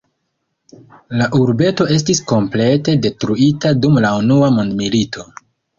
La urbeto estis komplete detruita dum la unua mondmilito.